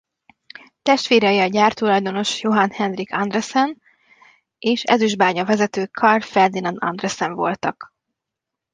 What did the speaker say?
Testvérei a gyártulajdonos Johan Henrik Andresen és az ezüstbánya-vezető Carl Ferdinand Andresen voltak.